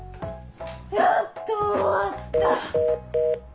やっと終わった！